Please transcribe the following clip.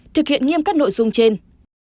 thực hiện nghiêm cắt nội dung trên